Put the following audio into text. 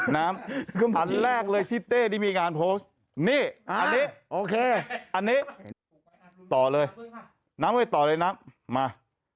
น้ำอันแรกเลยที่เต้นี่มีงานโพสต์นี่อันนี้ต่อเลยน้ำเอ้ยต่อเลยน้ำมา